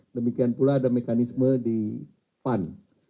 demikian pula ada mekanisme di pan